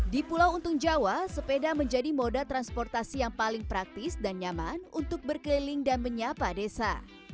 di pulau untung jawa sepeda menjadi moda transportasi yang paling praktis dan nyaman untuk berkeliling dan menyapa desa